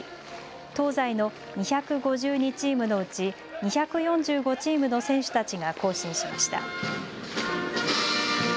東西の２５２チームのうち２４５チームの選手たちが行進しました。